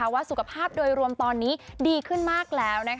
สุขภาพโดยรวมตอนนี้ดีขึ้นมากแล้ว